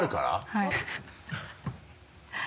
はい。